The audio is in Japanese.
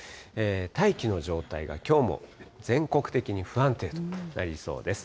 大気の状態がきょうも全国的に不安定となりそうです。